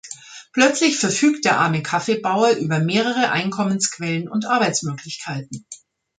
Plötzlich verfügt der arme Kaffeebauer über mehrere Einkommensquellen und Arbeitsmöglichkeiten.